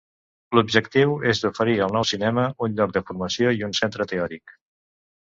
L'objectiu és d'oferir al nou cinema un lloc de formació i un centre teòric.